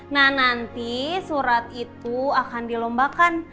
nah nanti surat itu akan dilombakan